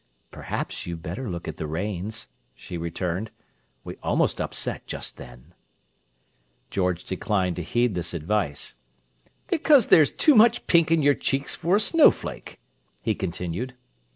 "Perhaps you'd better look at the reins," she returned. "We almost upset just then." George declined to heed this advice. "Because there's too much pink in your cheeks for a snowflake," he continued.